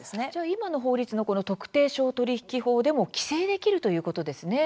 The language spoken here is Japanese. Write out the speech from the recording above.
今の法律のこの特定商取引法でも規制できるということですね。